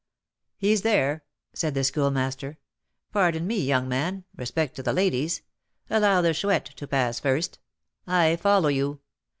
"He's there," said the Schoolmaster. "Pardon me, young man, respect to the ladies, allow the Chouette to pass first; I follow you.